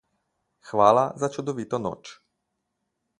Hvala za čudovito noč.